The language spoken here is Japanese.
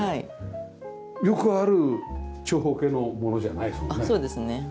よくある長方形のものじゃないですもんね。